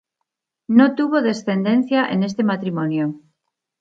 No tuvo descendencia en este matrimonio.